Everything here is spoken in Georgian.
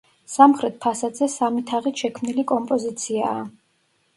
სამხრეთ ფასადზე სამი თაღით შექმნილი კომპოზიციაა.